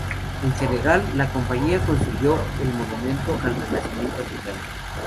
En Senegal, la compañía construyó el Monumento al Renacimiento Africano.